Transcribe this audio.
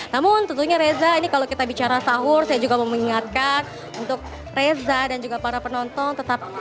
namun tentunya reza ini kalau kita bicara sahur saya juga mau mengingatkan untuk reza dan juga para penonton